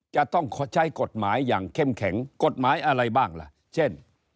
จะต้องใช้กฎหมายอย่างเข้มแข็งกฎหมายอะไรบ้างล่ะเช่น